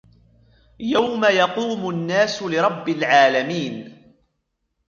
يَوْمَ يَقُومُ النَّاسُ لِرَبِّ الْعَالَمِينَ